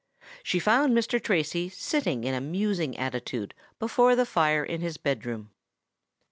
She found Mr. Tracy sitting in a musing attitude before the fire in his bed room.